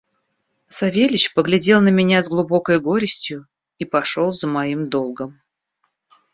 Савельич поглядел на меня с глубокой горестью и пошел за моим долгом.